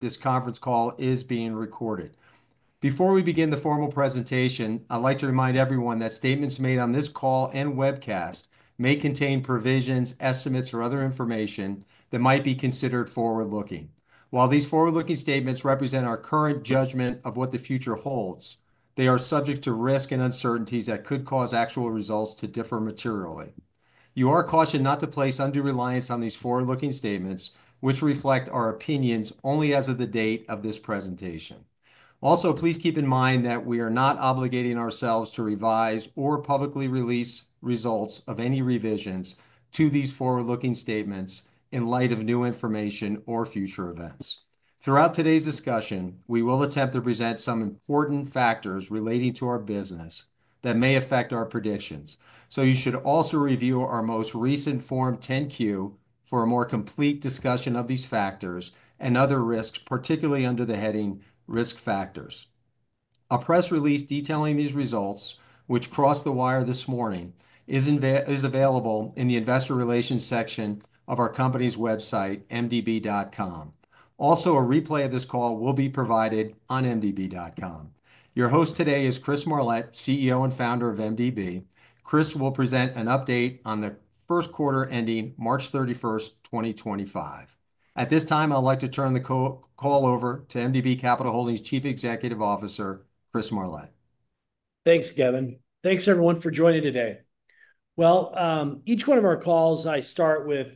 This conference call is being recorded. Before we begin the formal presentation, I'd like to remind everyone that statements made on this call and webcast may contain provisions, estimates, or other information that might be considered forward-looking. While these forward-looking statements represent our current judgment of what the future holds, they are subject to risk and uncertainties that could cause actual results to differ materially. You are cautioned not to place undue reliance on these forward-looking statements, which reflect our opinions only as of the date of this presentation. Also, please keep in mind that we are not obligating ourselves to revise or publicly release results of any revisions to these forward-looking statements in light of new information or future events. Throughout today's discussion, we will attempt to present some important factors relating to our business that may affect our predictions, so you should also review our most recent Form 10-Q for a more complete discussion of these factors and other risks, particularly under the heading "Risk Factors." A press release detailing these results, which crossed the wire this morning, is available in the investor relations section of our company's website, MDB.com. Also, a replay of this call will be provided on MDB.com. Your host today is Chris Marlett, CEO and founder of MDB. Chris will present an update on the first quarter ending March 31st, 2025. At this time, I'd like to turn the call over to MDB Capital Holdings Chief Executive Officer, Chris Marlett. Thanks, Kevin. Thanks, everyone, for joining today. Each one of our calls, I start with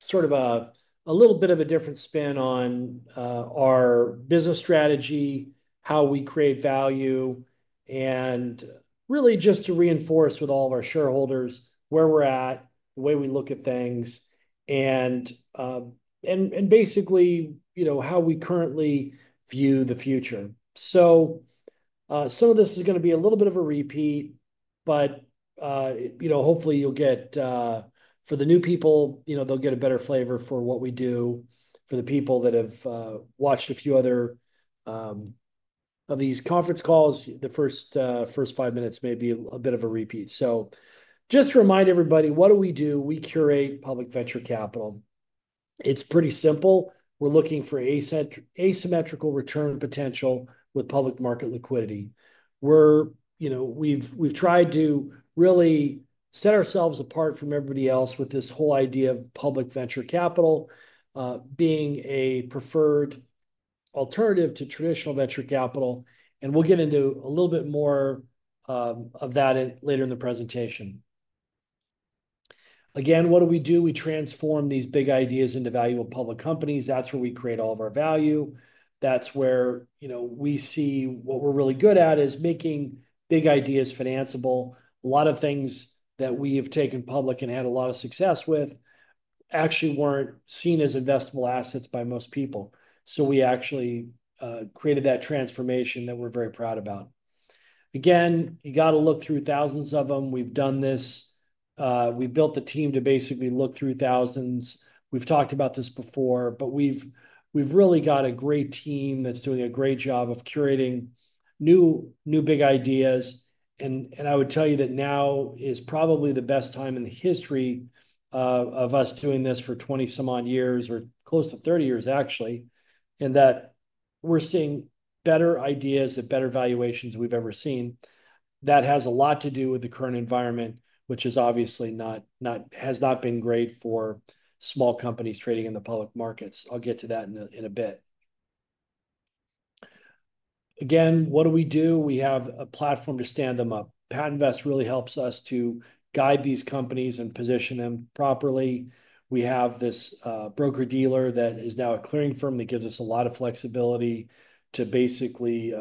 sort of a little bit of a different spin on our business strategy, how we create value, and really just to reinforce with all of our shareholders where we're at, the way we look at things, and basically how we currently view the future. Some of this is going to be a little bit of a repeat, but hopefully you'll get, for the new people, they'll get a better flavor for what we do. For the people that have watched a few other of these conference calls, the first five minutes may be a bit of a repeat. Just to remind everybody, what do we do? We curate public venture capital. It's pretty simple. We're looking for asymmetrical return potential with public market liquidity. We've tried to really set ourselves apart from everybody else with this whole idea of public venture capital being a preferred alternative to traditional venture capital. We'll get into a little bit more of that later in the presentation. Again, what do we do? We transform these big ideas into valuable public companies. That's where we create all of our value. That's where we see what we're really good at is making big ideas financeable. A lot of things that we have taken public and had a lot of success with actually weren't seen as investable assets by most people. We actually created that transformation that we're very proud about. Again, you got to look through thousands of them. We've done this. We've built the team to basically look through thousands. We've talked about this before, but we've really got a great team that's doing a great job of curating new big ideas. I would tell you that now is probably the best time in the history of us doing this for 20 some odd years or close to 30 years, actually, and that we're seeing better ideas at better valuations than we've ever seen. That has a lot to do with the current environment, which has obviously not been great for small companies trading in the public markets. I'll get to that in a bit. Again, what do we do? We have a platform to stand them up. PatentVest really helps us to guide these companies and position them properly. We have this broker-dealer that is now a clearing firm that gives us a lot of flexibility to basically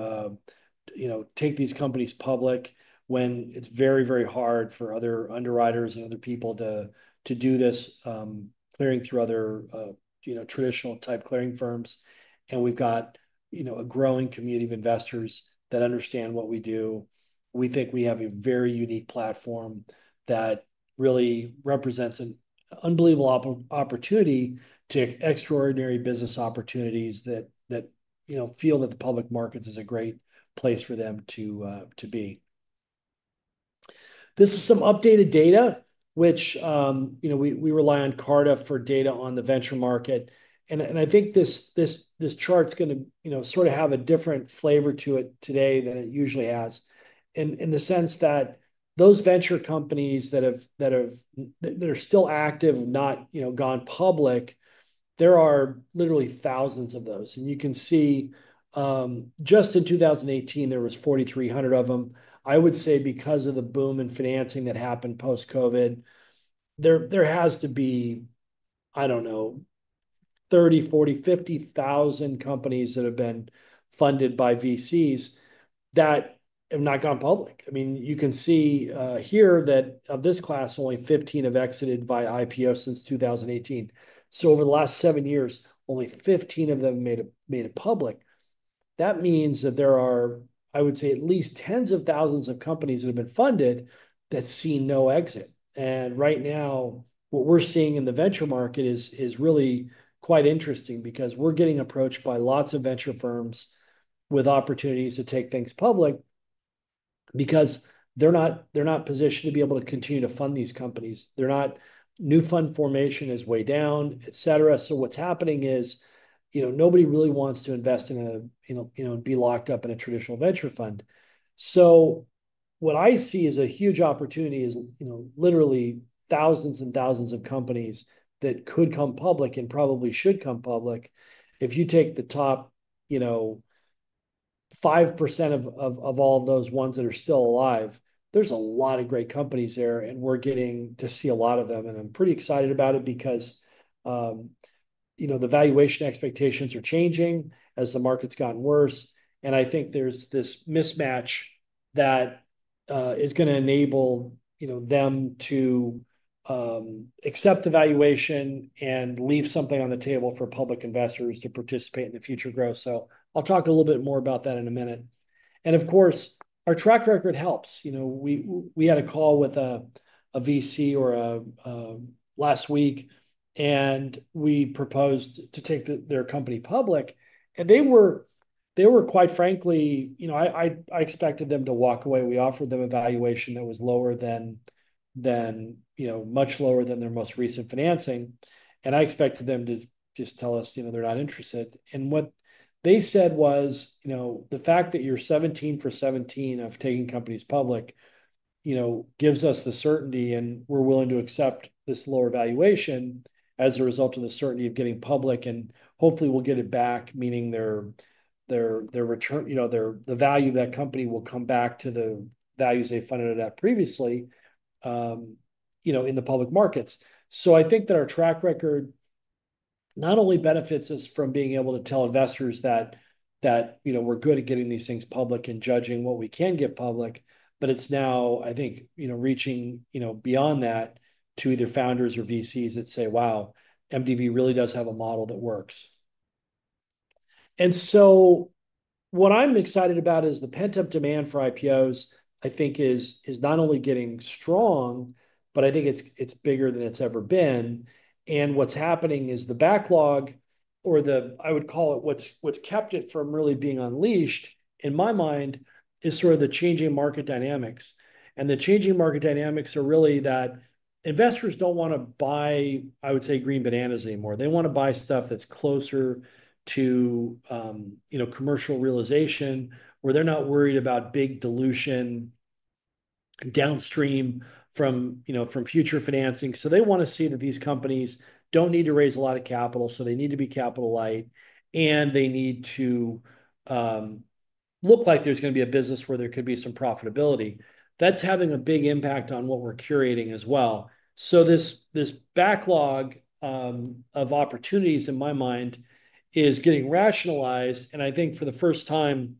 take these companies public when it is very, very hard for other underwriters and other people to do this, clearing through other traditional type clearing firms. We have got a growing community of investors that understand what we do. We think we have a very unique platform that really represents an unbelievable opportunity to extraordinary business opportunities that feel that the public markets is a great place for them to be. This is some updated data, which we rely on Carta for data on the venture market. I think this chart is going to sort of have a different flavor to it today than it usually has, in the sense that those venture companies that are still active, not gone public, there are literally thousands of those. You can see just in 2018, there were 4,300 of them. I would say because of the boom in financing that happened post-COVID, there has to be, I don't know, 30,000-50,000 companies that have been funded by VCs that have not gone public. I mean, you can see here that of this class, only 15 have exited via IPO since 2018. Over the last seven years, only 15 of them made it public. That means that there are, I would say, at least tens of thousands of companies that have been funded that see no exit. Right now, what we're seeing in the venture market is really quite interesting because we're getting approached by lots of venture firms with opportunities to take things public because they're not positioned to be able to continue to fund these companies. New fund formation is way down, etc. What's happening is nobody really wants to invest in and be locked up in a traditional venture fund. What I see as a huge opportunity is literally thousands and thousands of companies that could come public and probably should come public. If you take the top 5% of all of those ones that are still alive, there's a lot of great companies there, and we're getting to see a lot of them. I'm pretty excited about it because the valuation expectations are changing as the market's gotten worse. I think there's this mismatch that is going to enable them to accept the valuation and leave something on the table for public investors to participate in the future growth. I'll talk a little bit more about that in a minute. Of course, our track record helps. We had a call with a VC last week, and we proposed to take their company public. I expected them to walk away. We offered them a valuation that was much lower than their most recent financing. I expected them to just tell us they're not interested. What they said was, "The fact that you're 17 for 17 of taking companies public gives us the certainty, and we're willing to accept this lower valuation as a result of the certainty of getting public. Hopefully, we'll get it back," meaning the value of that company will come back to the values they funded it at previously in the public markets. I think that our track record not only benefits us from being able to tell investors that we're good at getting these things public and judging what we can get public, but it's now, I think, reaching beyond that to either founders or VCs that say, "Wow, MDB really does have a model that works." What I'm excited about is the pent-up demand for IPOs, I think, is not only getting strong, but I think it's bigger than it's ever been. What's happening is the backlog, or I would call it what's kept it from really being unleashed, in my mind, is sort of the changing market dynamics. The changing market dynamics are really that investors don't want to buy, I would say, green bananas anymore. They want to buy stuff that's closer to commercial realization, where they're not worried about big dilution downstream from future financing. They want to see that these companies don't need to raise a lot of capital, so they need to be capital-light, and they need to look like there's going to be a business where there could be some profitability. That's having a big impact on what we're curating as well. This backlog of opportunities, in my mind, is getting rationalized. I think for the first time,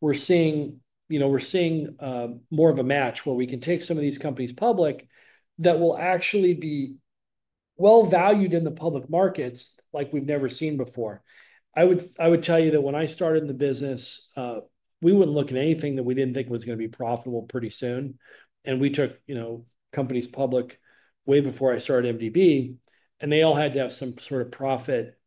we're seeing more of a match where we can take some of these companies public that will actually be well-valued in the public markets like we've never seen before. I would tell you that when I started in the business, we wouldn't look at anything that we didn't think was going to be profitable pretty soon. We took companies public way before I started MDB, and they all had to have some sort of profit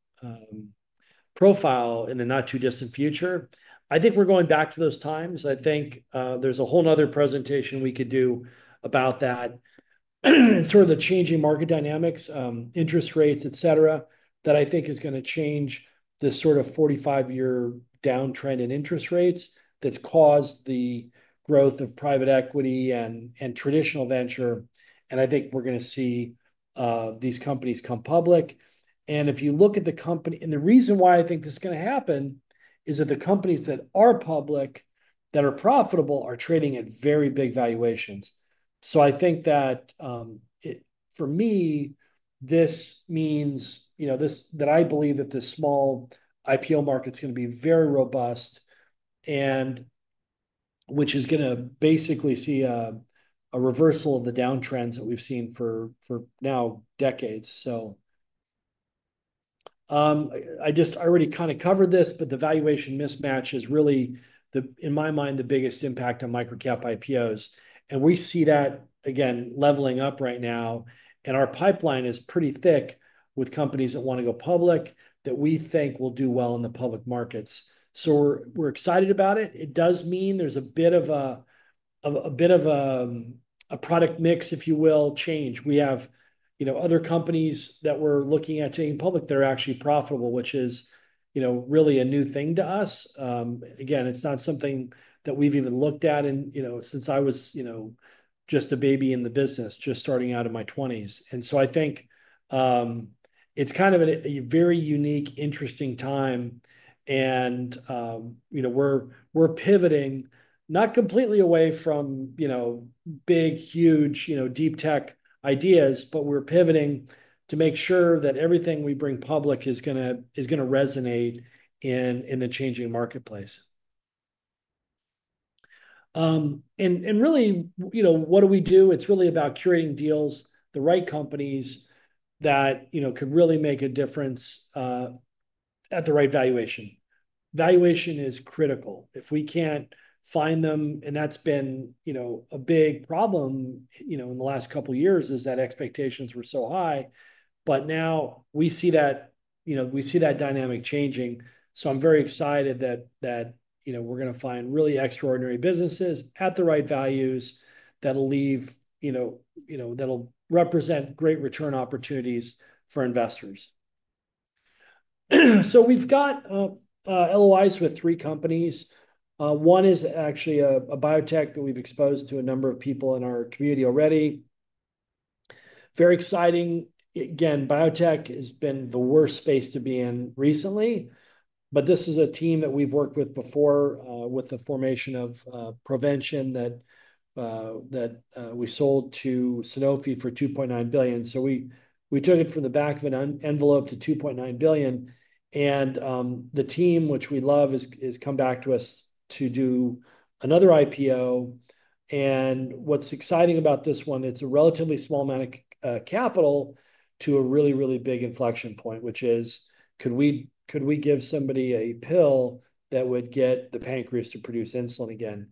profile in the not-too-distant future. I think we're going back to those times. I think there's a whole nother presentation we could do about that, sort of the changing market dynamics, interest rates, etc., that I think is going to change this sort of 45-year downtrend in interest rates that's caused the growth of private equity and traditional venture. I think we're going to see these companies come public. If you look at the company and the reason why I think this is going to happen is that the companies that are public that are profitable are trading at very big valuations. I think that for me, this means that I believe that the small IPO market's going to be very robust, which is going to basically see a reversal of the downtrends that we've seen for now decades. I already kind of covered this, but the valuation mismatch is really, in my mind, the biggest impact on microcap IPOs. We see that, again, leveling up right now. Our pipeline is pretty thick with companies that want to go public that we think will do well in the public markets. We're excited about it. It does mean there's a bit of a product mix, if you will, change. We have other companies that we're looking at taking public that are actually profitable, which is really a new thing to us. Again, it's not something that we've even looked at since I was just a baby in the business, just starting out in my 20s. I think it's kind of a very unique, interesting time. We're pivoting not completely away from big, huge, deep tech ideas, but we're pivoting to make sure that everything we bring public is going to resonate in the changing marketplace. Really, what do we do? It's really about curating deals, the right companies that could really make a difference at the right valuation. Valuation is critical. If we can't find them, and that's been a big problem in the last couple of years is that expectations were so high. Now we see that, we see that dynamic changing. I'm very excited that we're going to find really extraordinary businesses at the right values that'll represent great return opportunities for investors. We've got LOIs with three companies. One is actually a biotech that we've exposed to a number of people in our community already. Very exciting. Again, biotech has been the worst space to be in recently, but this is a team that we've worked with before with the formation of Provention that we sold to Sanofi for $2.9 billion. We took it from the back of an envelope to $2.9 billion. The team, which we love, has come back to us to do another IPO. What's exciting about this one, it's a relatively small amount of capital to a really, really big inflection point, which is, could we give somebody a pill that would get the pancreas to produce insulin again?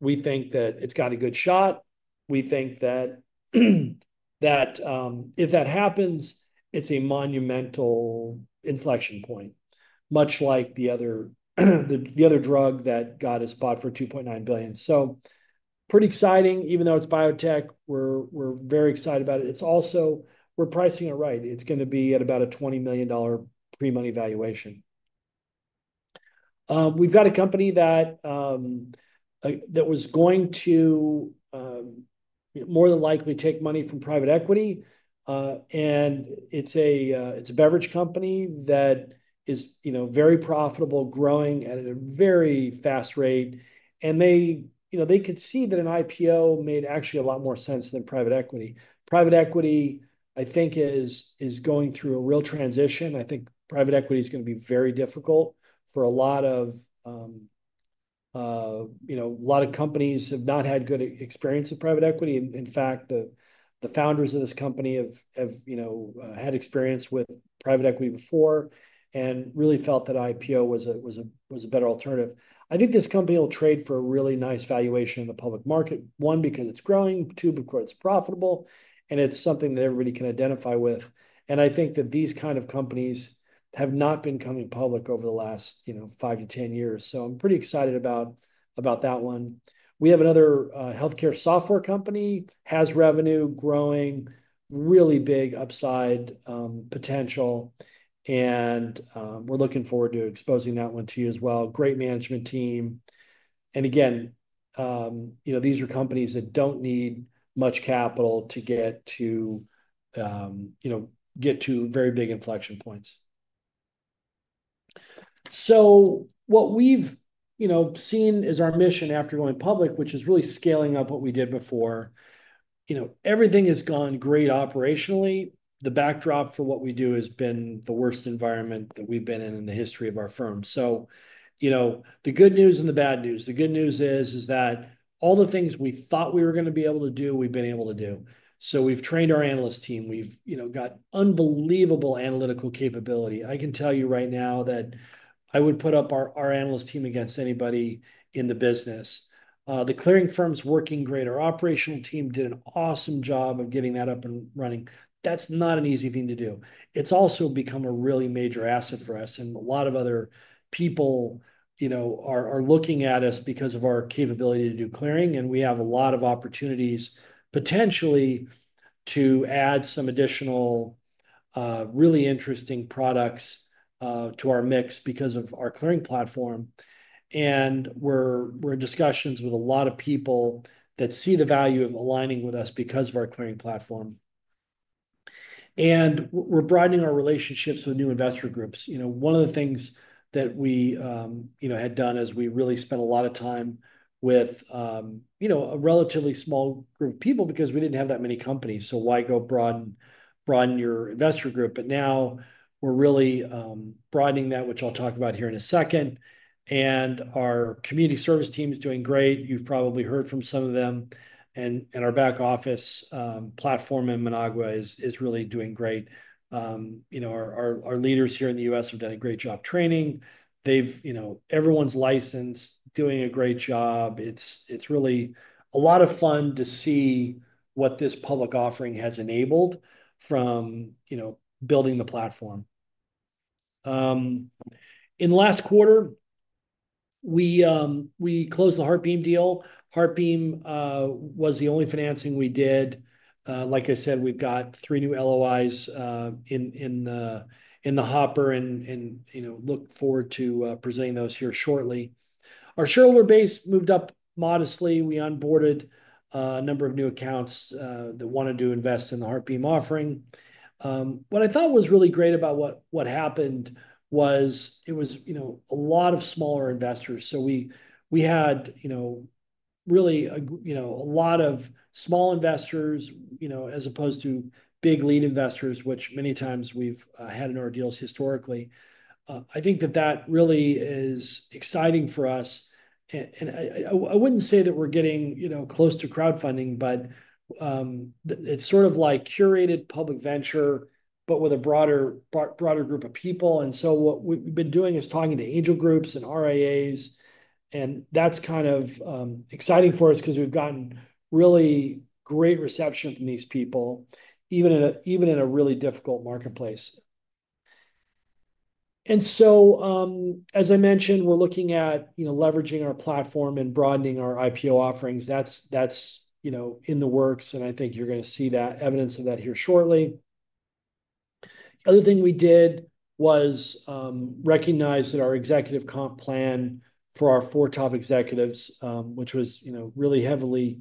We think that it's got a good shot. We think that if that happens, it's a monumental inflection point, much like the other drug that got us bought for $2.9 billion. Pretty exciting. Even though it's biotech, we're very excited about it. We're pricing it right. It's going to be at about a $20 million pre-money valuation. We've got a company that was going to more than likely take money from private equity. It's a beverage company that is very profitable, growing at a very fast rate. They could see that an IPO made actually a lot more sense than private equity. Private equity, I think, is going through a real transition. I think private equity is going to be very difficult for a lot of companies that have not had good experience of private equity. In fact, the founders of this company have had experience with private equity before and really felt that IPO was a better alternative. I think this company will trade for a really nice valuation in the public market, one, because it's growing, two, because it's profitable, and it's something that everybody can identify with. I think that these kind of companies have not been coming public over the last five to 10 years. I'm pretty excited about that one. We have another healthcare software company. Has revenue growing, really big upside potential. We're looking forward to exposing that one to you as well. Great management team. Again, these are companies that don't need much capital to get to very big inflection points. What we've seen is our mission after going public, which is really scaling up what we did before. Everything has gone great operationally. The backdrop for what we do has been the worst environment that we've been in in the history of our firm. The good news and the bad news. The good news is that all the things we thought we were going to be able to do, we've been able to do. We've trained our analyst team. We've got unbelievable analytical capability. I can tell you right now that I would put up our analyst team against anybody in the business. The clearing firm's working great. Our operational team did an awesome job of getting that up and running. That's not an easy thing to do. It's also become a really major asset for us. A lot of other people are looking at us because of our capability to do clearing. We have a lot of opportunities potentially to add some additional really interesting products to our mix because of our clearing platform. We are in discussions with a lot of people that see the value of aligning with us because of our clearing platform. We are broadening our relationships with new investor groups. One of the things that we had done is we really spent a lot of time with a relatively small group of people because we did not have that many companies. So why go broaden your investor group? Now we are really broadening that, which I will talk about here in a second. Our community service team is doing great. You have probably heard from some of them. Our back office platform in Managua is really doing great. Our leaders here in the U.S. have done a great job training. Everyone is licensed, doing a great job. It's really a lot of fun to see what this public offering has enabled from building the platform. In last quarter, we closed the HeartBeam deal. HeartBeam was the only financing we did. Like I said, we've got three new LOIs in the hopper and look forward to presenting those here shortly. Our shareholder base moved up modestly. We onboarded a number of new accounts that wanted to invest in the HeartBeam offering. What I thought was really great about what happened was it was a lot of smaller investors. We had really a lot of small investors as opposed to big lead investors, which many times we've had in our deals historically. I think that that really is exciting for us. I wouldn't say that we're getting close to crowdfunding, but it's sort of like curated public venture, but with a broader group of people. What we've been doing is talking to angel groups and RIAs. That's kind of exciting for us because we've gotten really great reception from these people, even in a really difficult marketplace. As I mentioned, we're looking at leveraging our platform and broadening our IPO offerings. That's in the works. I think you're going to see evidence of that here shortly. The other thing we did was recognize that our executive comp plan for our four top executives, which was really heavily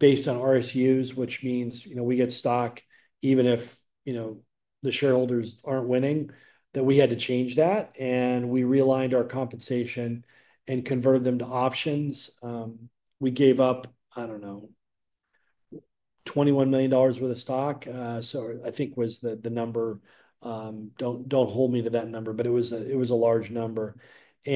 based on RSUs, which means we get stock even if the shareholders aren't winning, that we had to change that. We realigned our compensation and converted them to options. We gave up, I don't know, $21 million worth of stock, so I think was the number. Don't hold me to that number, but it was a large number. We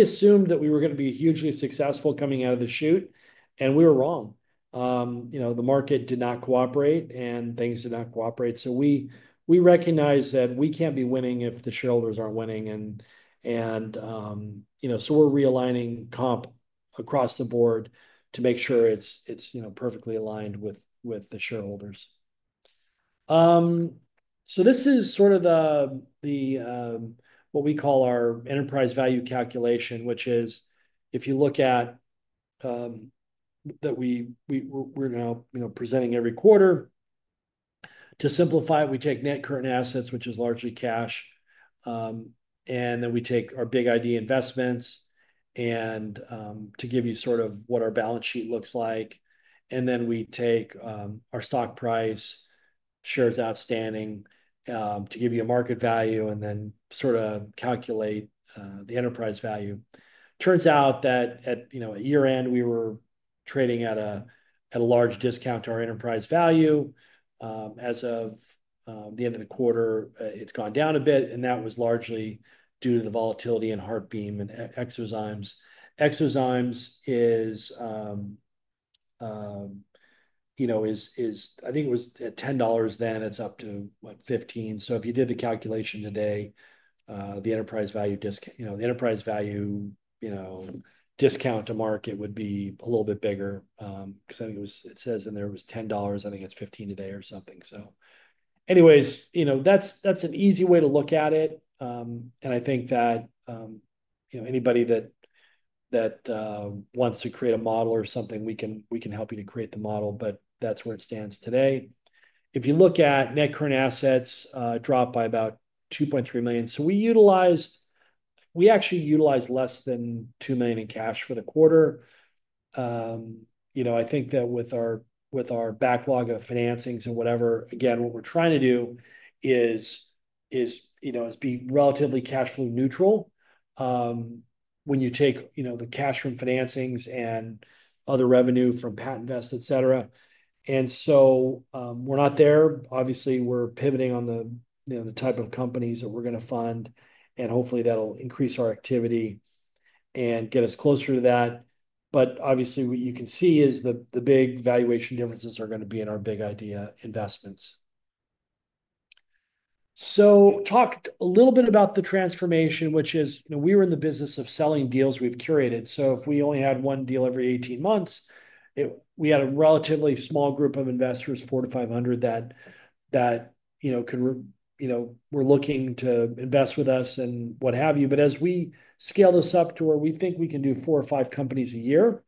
assumed that we were going to be hugely successful coming out of the chute, and we were wrong. The market did not cooperate, and things did not cooperate. We recognize that we can't be winning if the shareholders aren't winning. We are realigning comp across the board to make sure it's perfectly aligned with the shareholders. This is sort of what we call our enterprise value calculation, which is, if you look at that, we're now presenting every quarter. To simplify, we take net current assets, which is largely cash. Then we take our big idea investments to give you sort of what our balance sheet looks like. Then we take our stock price, shares outstanding to give you a market value, and then sort of calculate the enterprise value. Turns out that at year-end, we were trading at a large discount to our enterprise value. As of the end of the quarter, it's gone down a bit. That was largely due to the volatility in HeartBeam and eXoZymes. eXoZymes is, I think it was at $10 then. It's up to, what, $15? If you did the calculation today, the enterprise value discount to market would be a little bit bigger because I think it says in there it was $10. I think it's $15 today or something. Anyways, that's an easy way to look at it. I think that anybody that wants to create a model or something, we can help you to create the model, but that's where it stands today. If you look at net current assets, dropped by about $2.3 million. We actually utilized less than $2 million in cash for the quarter. I think that with our backlog of financings and whatever, again, what we're trying to do is be relatively cash flow neutral when you take the cash from financings and other revenue from PatentVest, etc. We're not there. Obviously, we're pivoting on the type of companies that we're going to fund. Hopefully, that'll increase our activity and get us closer to that. Obviously, what you can see is the big valuation differences are going to be in our big idea investments. Talk a little bit about the transformation, which is we were in the business of selling deals we've curated. If we only had one deal every 18 months, we had a relatively small group of investors, four to 500, that were looking to invest with us and what have you. As we scale this up to where we think we can do four or five companies a year,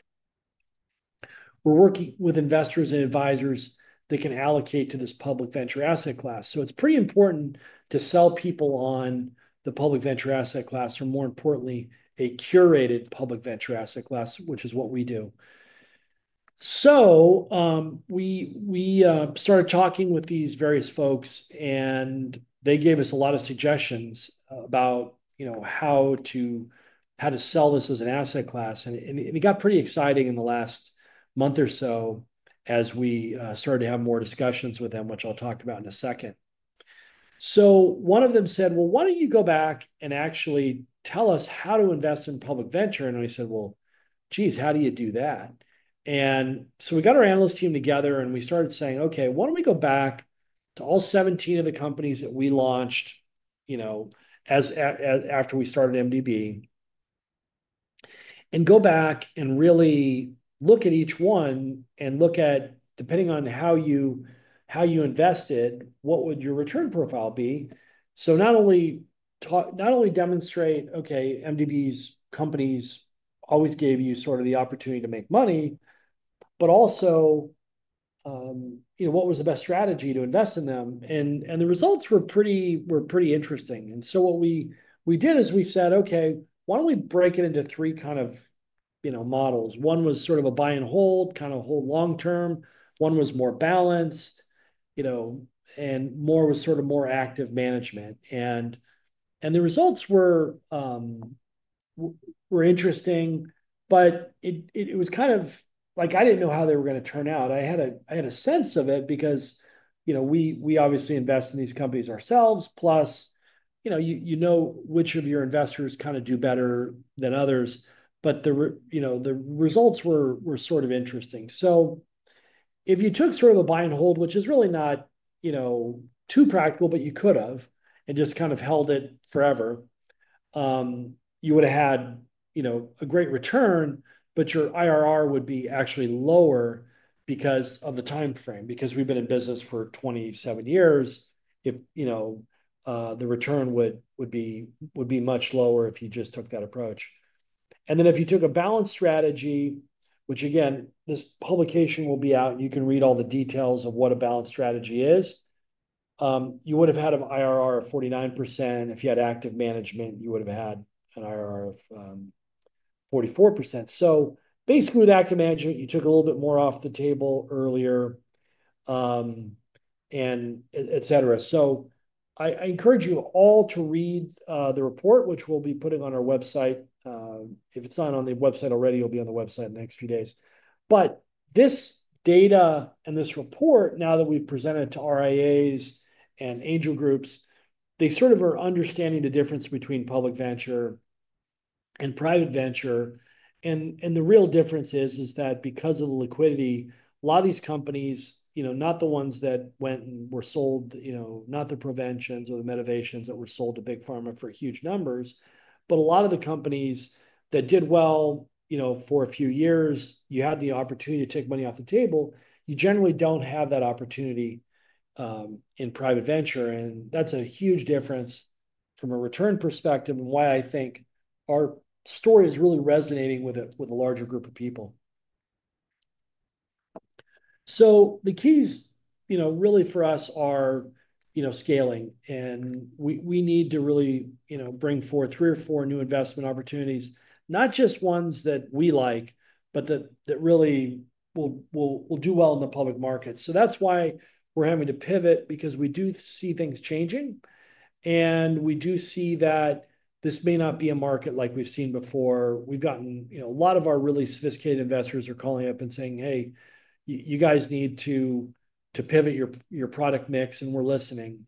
we're working with investors and advisors that can allocate to this public venture asset class. It's pretty important to sell people on the public venture asset class or, more importantly, a curated public venture asset class, which is what we do. We started talking with these various folks, and they gave us a lot of suggestions about how to sell this as an asset class. It got pretty exciting in the last month or so as we started to have more discussions with them, which I'll talk about in a second. One of them said, "Why don't you go back and actually tell us how to invest in public venture?" We said, "Geez, how do you do that?" We got our analyst team together, and we started saying, "Okay, why don't we go back to all 17 of the companies that we launched after we started MDB and go back and really look at each one and look at, depending on how you invested, what would your return profile be?" Not only demonstrate, okay, MDB's companies always gave you sort of the opportunity to make money, but also what was the best strategy to invest in them. The results were pretty interesting. What we did is we said, "Okay, why don't we break it into three kind of models?" One was sort of a buy and hold, kind of hold long-term. One was more balanced, and more was sort of more active management. The results were interesting, but it was kind of like I didn't know how they were going to turn out. I had a sense of it because we obviously invest in these companies ourselves, plus you know which of your investors kind of do better than others. The results were sort of interesting. If you took sort of a buy and hold, which is really not too practical, but you could have, and just kind of held it forever, you would have had a great return, but your IRR would be actually lower because of the timeframe. Because we've been in business for 27 years, the return would be much lower if you just took that approach. If you took a balanced strategy, which again, this publication will be out, and you can read all the details of what a balanced strategy is, you would have had an IRR of 49%. If you had active management, you would have had an IRR of 44%. Basically, with active management, you took a little bit more off the table earlier, etc. I encourage you all to read the report, which we'll be putting on our website. If it's not on the website already, it'll be on the website in the next few days. This data and this report, now that we've presented to RIAs and angel groups, they sort of are understanding the difference between public venture and private venture. The real difference is that because of the liquidity, a lot of these companies, not the ones that went and were sold, not the preventions or the mitigations that were sold to big pharma for huge numbers, but a lot of the companies that did well for a few years, you had the opportunity to take money off the table, you generally do not have that opportunity in private venture. That is a huge difference from a return perspective and why I think our story is really resonating with a larger group of people. The keys really for us are scaling. We need to really bring forth three or four new investment opportunities, not just ones that we like, but that really will do well in the public markets. That is why we are having to pivot because we do see things changing. We do see that this may not be a market like we've seen before. We've gotten a lot of our really sophisticated investors are calling up and saying, "Hey, you guys need to pivot your product mix, and we're listening."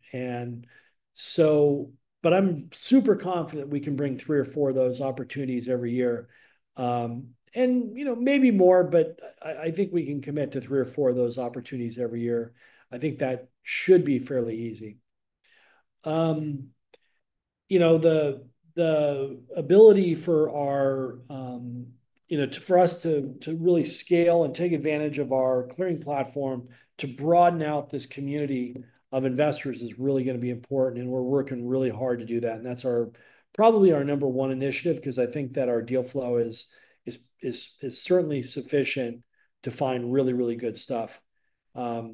I'm super confident we can bring three or four of those opportunities every year. Maybe more, but I think we can commit to three or four of those opportunities every year. I think that should be fairly easy. The ability for us to really scale and take advantage of our clearing platform to broaden out this community of investors is really going to be important. We're working really hard to do that. That's probably our number one initiative because I think that our deal flow is certainly sufficient to find really, really good stuff. I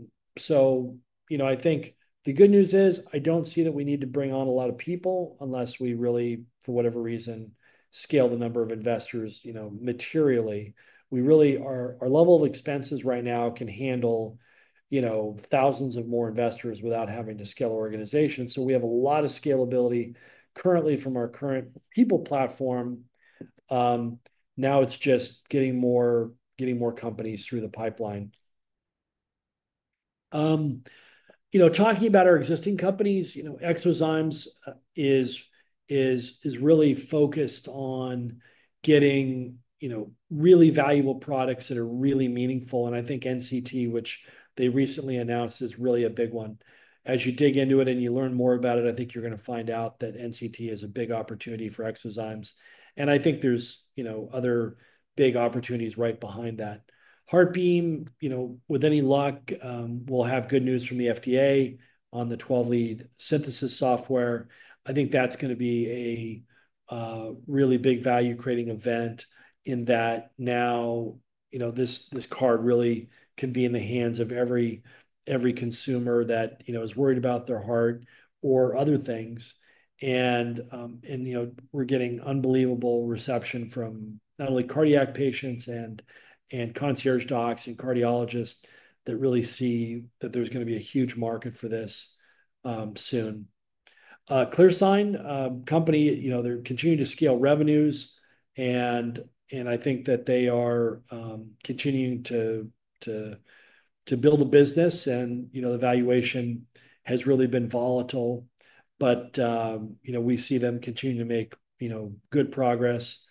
think the good news is I don't see that we need to bring on a lot of people unless we really, for whatever reason, scale the number of investors materially. Our level of expenses right now can handle thousands of more investors without having to scale our organization. We have a lot of scalability currently from our current people platform. Now it's just getting more companies through the pipeline. Talking about our existing companies, eXoZymes is really focused on getting really valuable products that are really meaningful. I think NCT, which they recently announced, is really a big one. As you dig into it and you learn more about it, I think you're going to find out that NCT is a big opportunity for eXoZymes. I think there's other big opportunities right behind that. HeartBeam, with any luck, will have good news from the FDA on the 12-lead synthesis software. I think that's going to be a really big value-creating event in that now this card really can be in the hands of every consumer that is worried about their heart or other things. We're getting unbelievable reception from not only cardiac patients and concierge docs and cardiologists that really see that there's going to be a huge market for this soon. ClearSign Company, they're continuing to scale revenues. I think that they are continuing to build a business. The valuation has really been volatile. We see them continue to make good progress.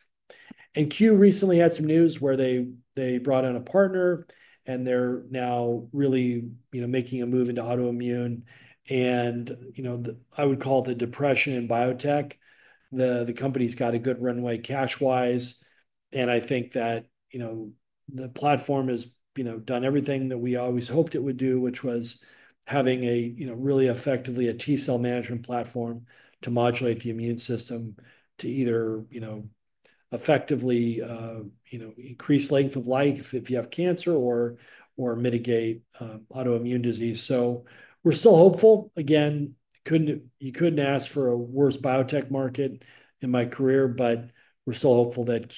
Q recently had some news where they brought in a partner, and they're now really making a move into autoimmune. I would call it the depression in biotech. The company's got a good runway cash-wise. I think that the platform has done everything that we always hoped it would do, which was having really effectively a T-cell management platform to modulate the immune system to either effectively increase length of life if you have cancer or mitigate autoimmune disease. We are still hopeful. You could not ask for a worse biotech market in my career, but we are still hopeful that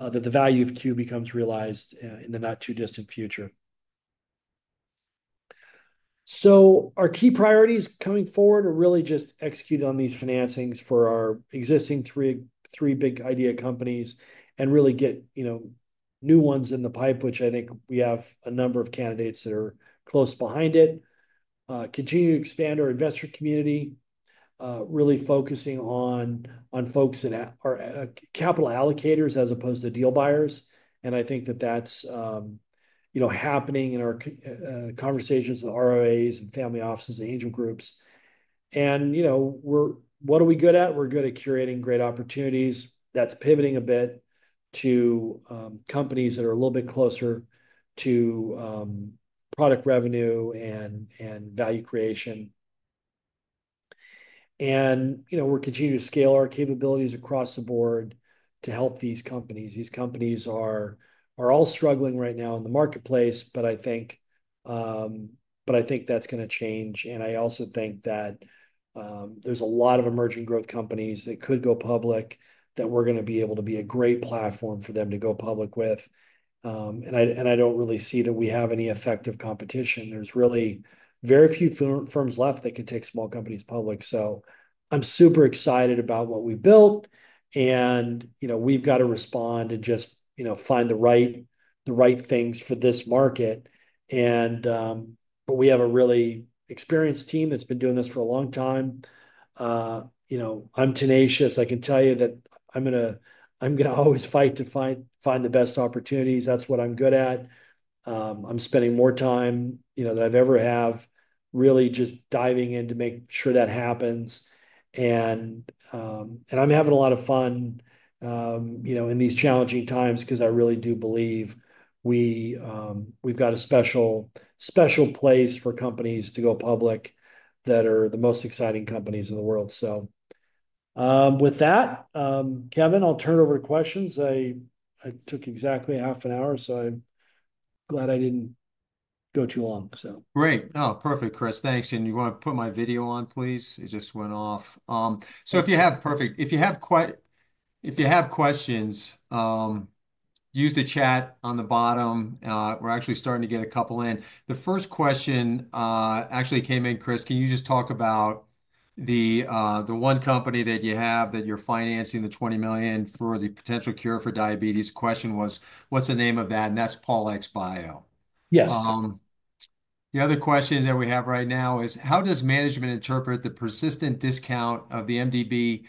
the value of Q becomes realized in the not-too-distant future. Our key priorities coming forward are really just executing on these financings for our existing three big idea companies and really get new ones in the pipe, which I think we have a number of candidates that are close behind it. Continue to expand our investor community, really focusing on folks that are capital allocators as opposed to deal buyers. I think that that's happening in our conversations with ROAs and family offices and angel groups. What are we good at? We're good at curating great opportunities. That's pivoting a bit to companies that are a little bit closer to product revenue and value creation. We're continuing to scale our capabilities across the board to help these companies. These companies are all struggling right now in the marketplace, but I think that's going to change. I also think that there's a lot of emerging growth companies that could go public that we're going to be able to be a great platform for them to go public with. I don't really see that we have any effective competition. There's really very few firms left that can take small companies public. I'm super excited about what we built. We have got to respond and just find the right things for this market. We have a really experienced team that has been doing this for a long time. I am tenacious. I can tell you that I am going to always fight to find the best opportunities. That is what I am good at. I am spending more time than I ever have, really just diving in to make sure that happens. I am having a lot of fun in these challenging times because I really do believe we have a special place for companies to go public that are the most exciting companies in the world. With that, Kevin, I will turn it over to questions. I took exactly half an hour, so I am glad I did not go too long. Great. Oh, perfect, Chris. Thanks. Can you put my video on, please? It just went off. If you have questions, use the chat on the bottom. We're actually starting to get a couple in. The first question actually came in, Chris. Can you just talk about the one company that you have that you're financing the $20 million for the potential cure for diabetes? The question was, what's the name of that? And that's Paulex Bio. Yes. The other question that we have right now is, how does management interpret the persistent discount of the MDBH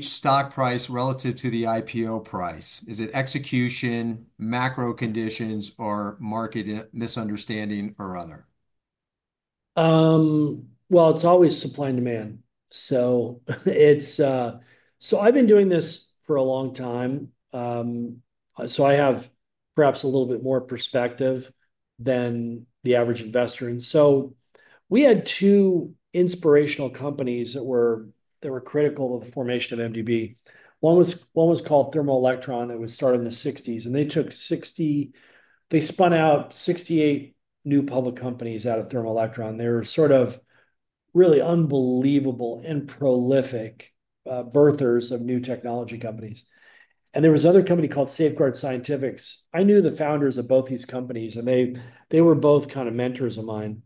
stock price relative to the IPO price? Is it execution, macro conditions, or market misunderstanding, or other? It is always supply and demand. I have been doing this for a long time, so I have perhaps a little bit more perspective than the average investor. We had two inspirational companies that were critical to the formation of MDB. One was called Thermo Electron that was started in the 1960s. They spun out 68 new public companies out of Thermo Electron. They were really unbelievable and prolific birthers of new technology companies. There was another company called Safeguard Scientifics. I knew the founders of both these companies, and they were both kind of mentors of mine.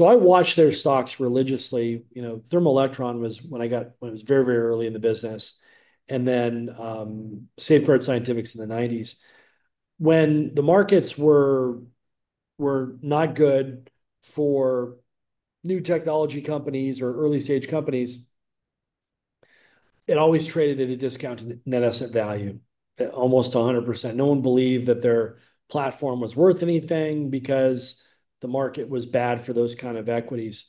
I watched their stocks religiously. Thermo Electron was one I got when it was very, very early in the business. Then Safeguard Scientifics in the 1990s. When the markets were not good for new technology companies or early-stage companies, it always traded at a discounted net asset value, almost 100%. No one believed that their platform was worth anything because the market was bad for those kind of equities.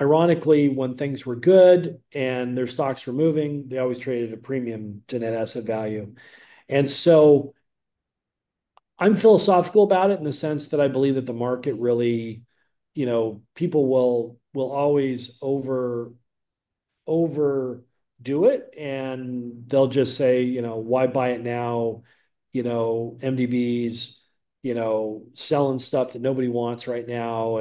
Ironically, when things were good and their stocks were moving, they always traded at a premium to net asset value. I am philosophical about it in the sense that I believe that the market really people will always overdo it. They'll just say, "Why buy it now? MDB's selling stuff that nobody wants right now."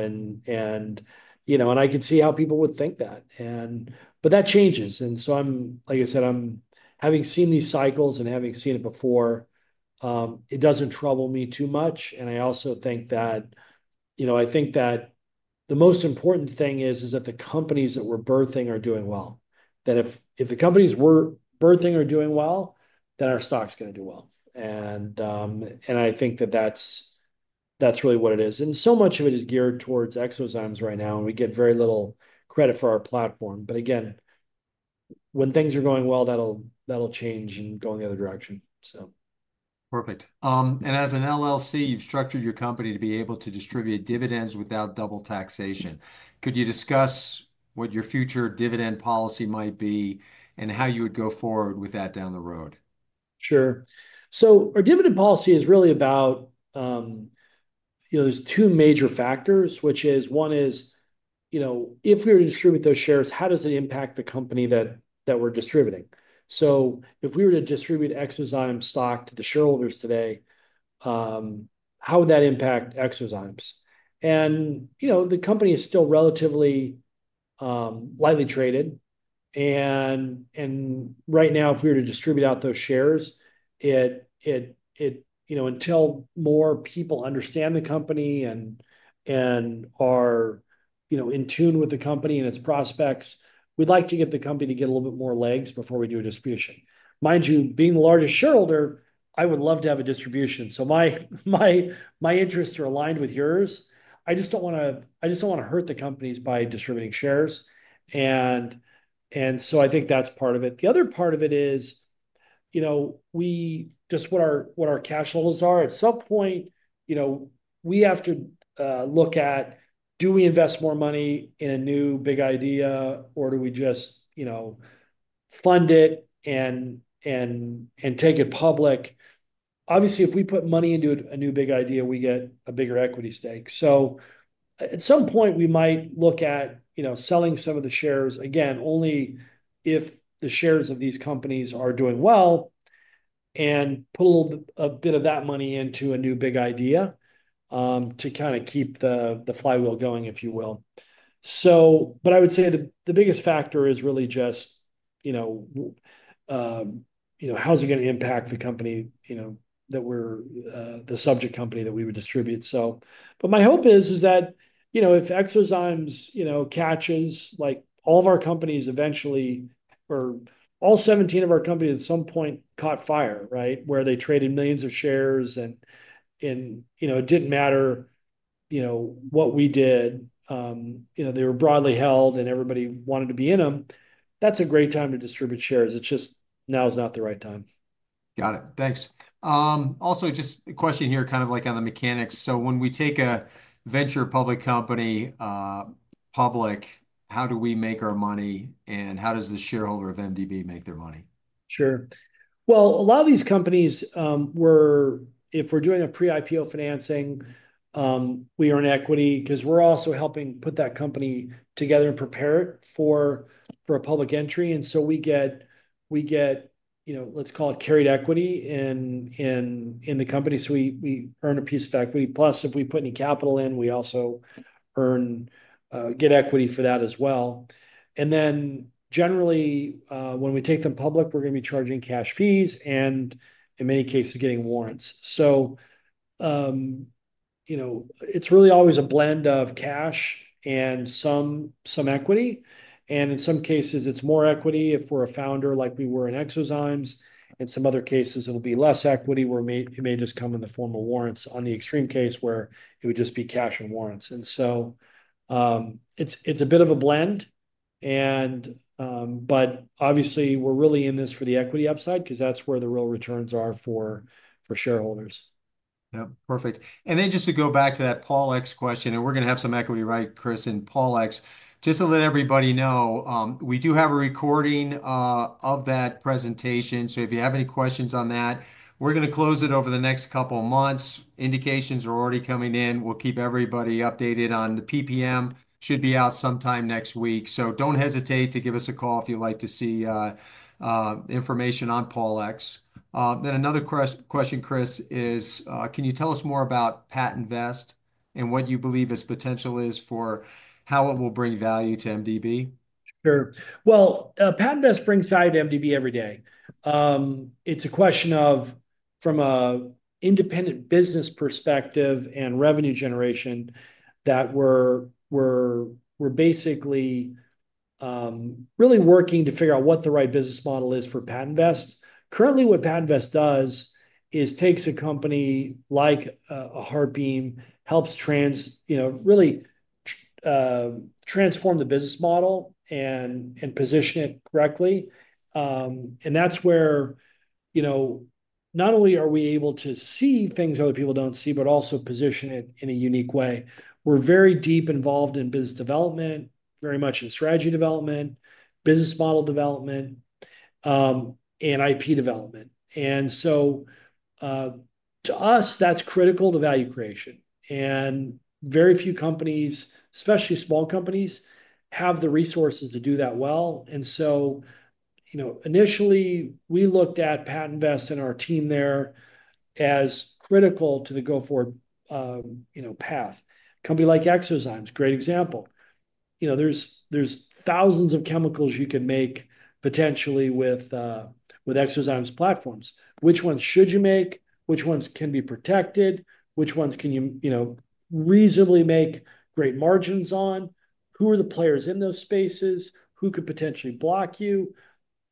I can see how people would think that. That changes. Like I said, having seen these cycles and having seen it before, it doesn't trouble me too much. I also think that the most important thing is that the companies that we're birthing are doing well. If the companies we're birthing are doing well, then our stock's going to do well. I think that that's really what it is. So much of it is geared towards eXoZymes right now. We get very little credit for our platform. Again, when things are going well, that'll change and go in the other direction. Perfect. As an LLC, you've structured your company to be able to distribute dividends without double taxation. Could you discuss what your future dividend policy might be and how you would go forward with that down the road? Sure. Our dividend policy is really about there are two major factors, which is one is if we were to distribute those shares, how does it impact the company that we're distributing? If we were to distribute eXoZymes stock to the shareholders today, how would that impact eXoZymes? The company is still relatively lightly traded. Right now, if we were to distribute out those shares, until more people understand the company and are in tune with the company and its prospects, we'd like to get the company to get a little bit more legs before we do a distribution. Mind you, being the largest shareholder, I would love to have a distribution. My interests are aligned with yours. I just do not want to hurt the companies by distributing shares. I think that's part of it. The other part of it is just what our cash flows are. At some point, we have to look at, do we invest more money in a new big idea, or do we just fund it and take it public? Obviously, if we put money into a new big idea, we get a bigger equity stake. At some point, we might look at selling some of the shares, again, only if the shares of these companies are doing well, and put a little bit of that money into a new big idea to kind of keep the flywheel going, if you will. I would say the biggest factor is really just how is it going to impact the company that we're the subject company that we would distribute? My hope is that if eXoZymes catches, all of our companies eventually, or all 17 of our companies at some point caught fire, right, where they traded millions of shares and it did not matter what we did. They were broadly held and everybody wanted to be in them. That is a great time to distribute shares. It is just now is not the right time. Got it. Thanks. Also, just a question here, kind of like on the mechanics. When we take a venture public company public, how do we make our money? How does the shareholder of MDB make their money? Sure. A lot of these companies, if we're doing a pre-IPO financing, we earn equity because we're also helping put that company together and prepare it for a public entry. We get, let's call it, carried equity in the company. We earn a piece of equity. Plus, if we put any capital in, we also get equity for that as well. Generally, when we take them public, we're going to be charging cash fees and, in many cases, getting warrants. It's really always a blend of cash and some equity. In some cases, it's more equity if we're a founder like we were in eXoZymes. In some other cases, it'll be less equity where it may just come in the form of warrants. On the extreme case, it would just be cash and warrants. It's a bit of a blend. Obviously, we're really in this for the equity upside because that's where the real returns are for shareholders. Yep. Perfect. Just to go back to that Paulex question, and we're going to have some equity, right, Chris, in Paulex. Just to let everybody know, we do have a recording of that presentation. If you have any questions on that, we're going to close it over the next couple of months. Indications are already coming in. We'll keep everybody updated on the PPM. Should be out sometime next week. Do not hesitate to give us a call if you'd like to see information on Paulex. Another question, Chris, is, can you tell us more about PatentVest and what you believe its potential is for how it will bring value to MDB? Sure. PatentVest brings value to MDB every day. It's a question of, from an independent business perspective and revenue generation, that we're basically really working to figure out what the right business model is for PatentVest. Currently, what PatentVest does is takes a company like HeartBeam, helps really transform the business model and position it correctly. That's where not only are we able to see things other people don't see, but also position it in a unique way. We're very deep involved in business development, very much in strategy development, business model development, and IP development. To us, that's critical to value creation. Very few companies, especially small companies, have the resources to do that well. Initially, we looked at PatentVest and our team there as critical to the go-forward path. A company like eXoZymes, great example. There's thousands of chemicals you can make potentially with eXoZymes platforms. Which ones should you make? Which ones can be protected? Which ones can you reasonably make great margins on? Who are the players in those spaces? Who could potentially block you?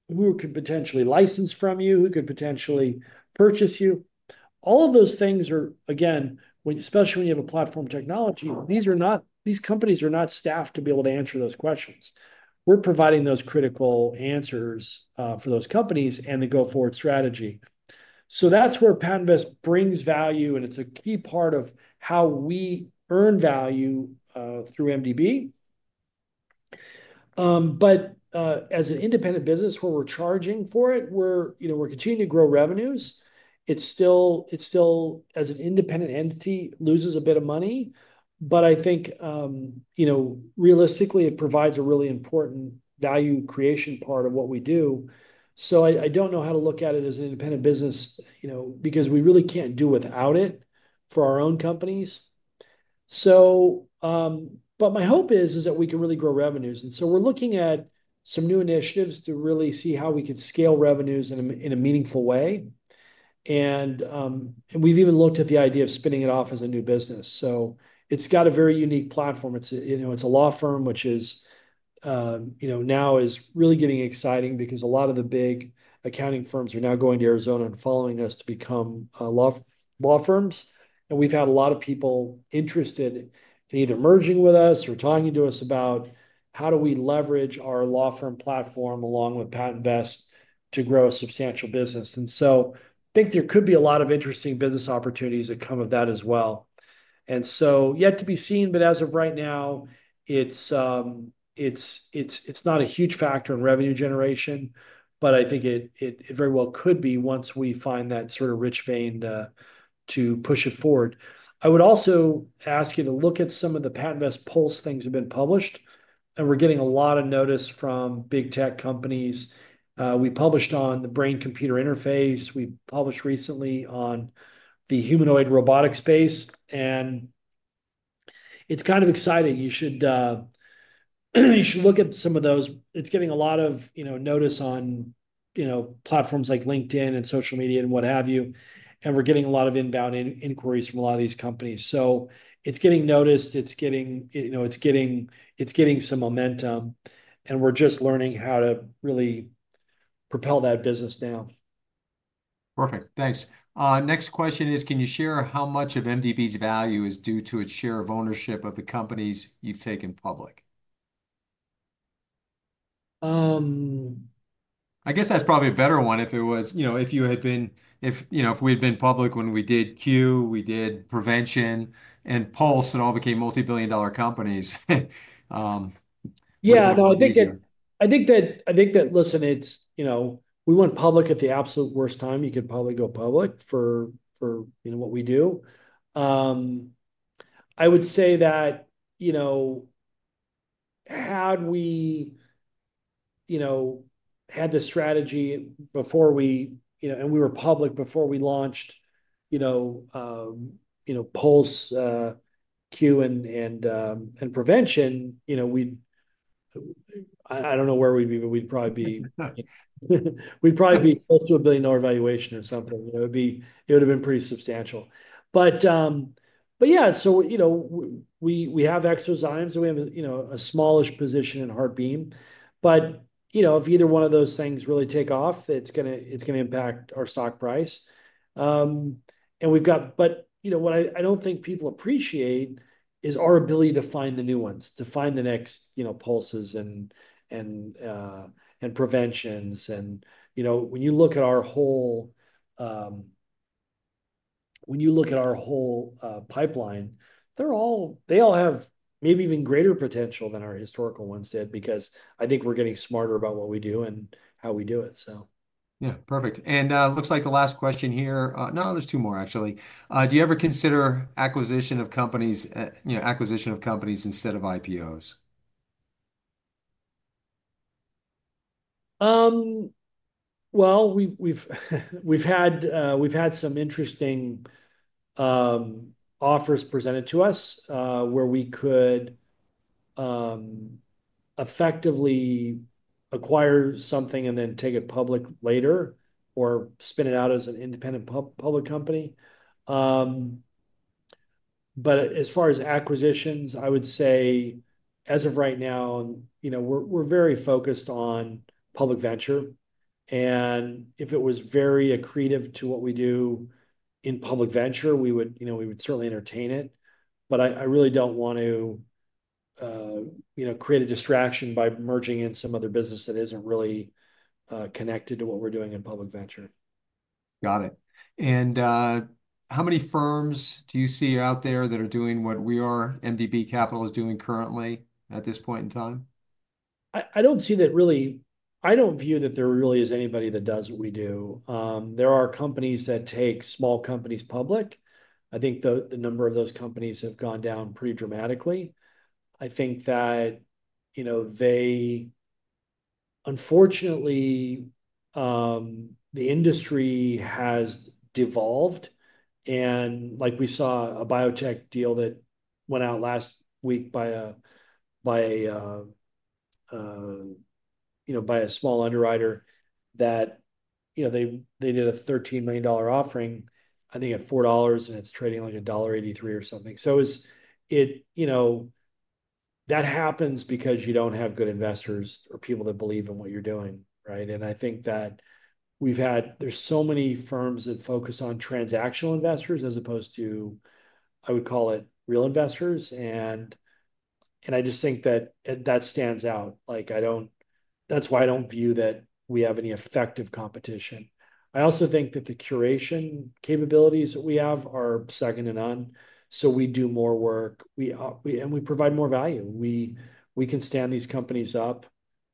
Who could potentially license from you? Who could potentially purchase you? All of those things are, again, especially when you have a platform technology, these companies are not staffed to be able to answer those questions. We're providing those critical answers for those companies and the go-forward strategy. That is where PatentVest brings value, and it's a key part of how we earn value through MDB. As an independent business where we're charging for it, we're continuing to grow revenues. It still, as an independent entity, loses a bit of money. I think realistically, it provides a really important value creation part of what we do. I do not know how to look at it as an independent business because we really cannot do without it for our own companies. My hope is that we can really grow revenues. We are looking at some new initiatives to really see how we can scale revenues in a meaningful way. We have even looked at the idea of spinning it off as a new business. It has a very unique platform. It is a law firm, which now is really getting exciting because a lot of the big accounting firms are now going to Arizona and following us to become law firms. We have had a lot of people interested in either merging with us or talking to us about how we leverage our law firm platform along with PatentVest to grow a substantial business. I think there could be a lot of interesting business opportunities that come of that as well. It is yet to be seen. As of right now, it is not a huge factor in revenue generation, but I think it very well could be once we find that sort of rich vein to push it forward. I would also ask you to look at some of the PatentVest Pulse things that have been published. We are getting a lot of notice from big tech companies. We published on the brain-computer interface. We published recently on the humanoid robotics space. It is kind of exciting. You should look at some of those. It's getting a lot of notice on platforms like LinkedIn and social media and what have you. We're getting a lot of inbound inquiries from a lot of these companies. It's getting noticed. It's getting some momentum. We're just learning how to really propel that business now. Perfect. Thanks. Next question is, can you share how much of MDB's value is due to its share of ownership of the companies you've taken public? I guess that's probably a better one if it was if you had been if we had been public when we did Q, we did Provention, and Pulse, and all became multi-billion dollar companies. Yeah. No, I think that, listen, we went public at the absolute worst time you could probably go public for what we do. I would say that had we had the strategy before we, and we were public before we launched Pulse, Q, and Provention, I do not know where we would be, but we would probably be close to a billion dollar valuation or something. It would have been pretty substantial. Yeah, we have eXoZymes. We have a smallish position in HeartBeam. If either one of those things really take off, it is going to impact our stock price. What I do not think people appreciate is our ability to find the new ones, to find the next Pulses and Proventions. When you look at our whole pipeline, they all have maybe even greater potential than our historical ones did because I think we're getting smarter about what we do and how we do it. Yeah. Perfect. It looks like the last question here—no, there's two more, actually. Do you ever consider acquisition of companies, acquisition of companies instead of IPOs? We've had some interesting offers presented to us where we could effectively acquire something and then take it public later or spin it out as an independent public company. As far as acquisitions, I would say, as of right now, we're very focused on public venture. If it was very accretive to what we do in public venture, we would certainly entertain it. I really don't want to create a distraction by merging in some other business that isn't really connected to what we're doing in public venture. Got it. And how many firms do you see out there that are doing what we are, MDB Capital is doing currently at this point in time? I don't see that, really, I don't view that there really is anybody that does what we do. There are companies that take small companies public. I think the number of those companies has gone down pretty dramatically. I think that, unfortunately, the industry has devolved. We saw a biotech deal that went out last week by a small underwriter that did a $13 million offering, I think, at $4, and it's trading like $1.83 or something. That happens because you don't have good investors or people that believe in what you're doing, right? I think that we've had so many firms that focus on transactional investors as opposed to, I would call it, real investors. I just think that stands out. That's why I don't view that we have any effective competition. I also think that the curation capabilities that we have are second to none. We do more work, and we provide more value. We can stand these companies up.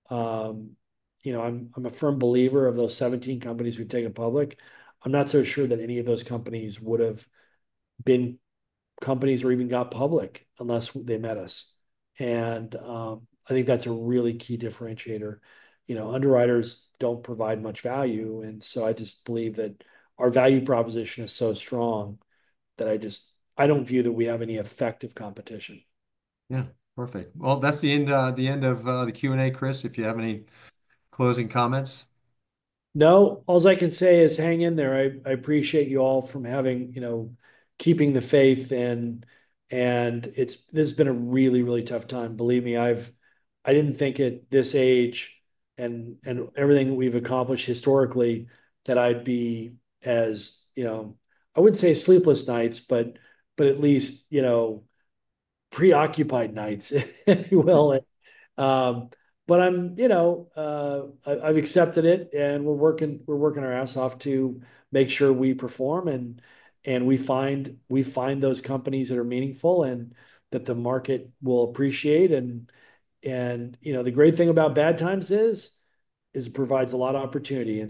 I'm a firm believer of those 17 companies we've taken public. I'm not so sure that any of those companies would have been companies or even got public unless they met us. I think that's a really key differentiator. Underwriters do not provide much value. I just believe that our value proposition is so strong that I do not view that we have any effective competition. Yeah. Perfect. That is the end of the Q&A, Chris, if you have any closing comments. No. All I can say is hang in there. I appreciate you all for keeping the faith. This has been a really, really tough time. Believe me, I did not think at this age and everything we have accomplished historically that I would be as, I would not say sleepless nights, but at least preoccupied nights, if you will. I have accepted it, and we are working our ass off to make sure we perform and we find those companies that are meaningful and that the market will appreciate. The great thing about bad times is it provides a lot of opportunity.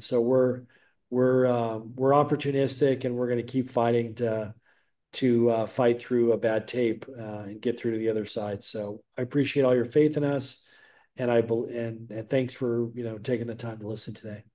We are opportunistic, and we are going to keep fighting to fight through a bad tape and get through to the other side. I appreciate all your faith in us. Thanks for taking the time to listen today. Great.